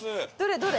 どれ？